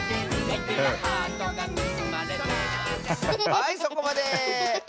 はいそこまで！